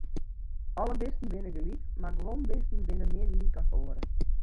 Alle bisten binne gelyk, mar guon bisten binne mear gelyk as oare.